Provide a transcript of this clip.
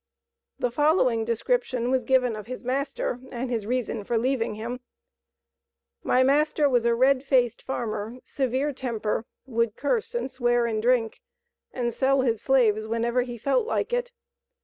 The following description was given of his master, and his reason for leaving him: "My master was a red faced farmer, severe temper, would curse, and swear, and drink, and sell his slaves whenever he felt like it.